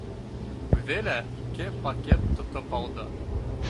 Үҙе лә ике пакет тотоп алды.